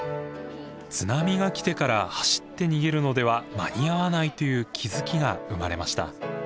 津波が来てから走って逃げるのでは間に合わないという気付きが生まれました。